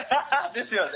ですよね。